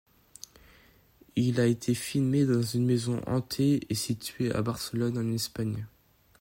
Il a été filmé dans une maison hantée et située à Barcelone, en Espagne.